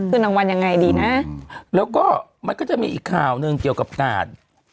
คือรางวัลยังไงดีนะแล้วก็มันก็จะมีอีกข่าวหนึ่งเกี่ยวกับการ